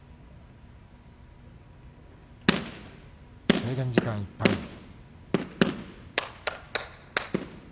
制限時間いっぱいです。